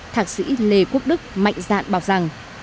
thạc sĩ lê quốc đức mạnh dạn bảo rằng